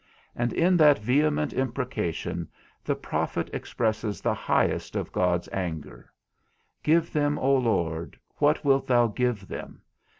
And in that vehement imprecation, the prophet expresses the highest of God's anger, _Give them, O Lord, what wilt thou give them?